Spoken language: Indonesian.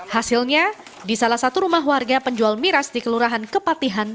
hasilnya di salah satu rumah warga penjual miras di kelurahan kepatihan